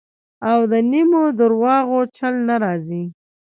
او د نیمو درواغو چل نه راځي.